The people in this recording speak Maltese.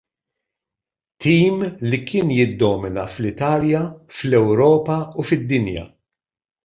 Tim li kien jiddomina fl-Italja, fl-Ewropa u fid-dinja.